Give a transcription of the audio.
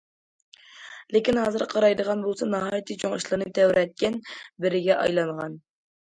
لېكىن ھازىر قارايدىغان بولسا ناھايىتى چوڭ ئىشلارنى تەۋرەتكەن بىرىگە ئايلانغان.